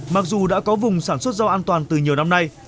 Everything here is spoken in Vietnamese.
mặc dù đã có vùng sản xuất rau an toàn từ nhiều năm nay